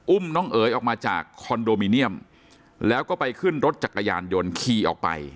อุ้มน้องเอ๋ยออกมาจากคอนโดมิเนียมแล้วก็ไปขึ้นรถจักรยานยนต์ขี่ออกไป